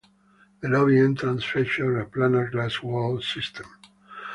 The lobby entrance features a planar glass wall system.